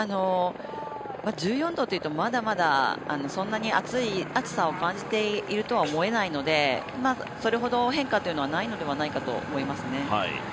１４度といってもまだまだそんなに暑さを感じてるとは思えないのでそれほど変化というのはないのではないかと思います。